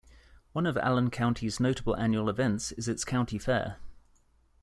One of Allen County's notable annual events is its County Fair.